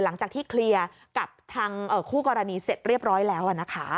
หลังจากที่เคลียร์กับทางคู่กรณีเสร็จเรียบร้อยแล้วนะคะ